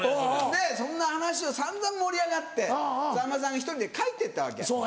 でそんな話を散々盛り上がってさんまさんが１人で帰ってったわけ。